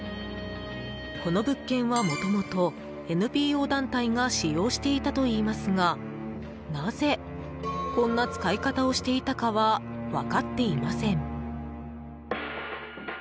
この物件はもともとＮＰＯ団体が使用していたといいますがなぜこんな使い方をしていたかは分かっていません。